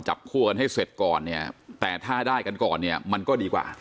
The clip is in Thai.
จับคู่กันให้เสร็จก่อนเนี่ยแต่ถ้าได้กันก่อนเนี่ยมันก็ดีกว่า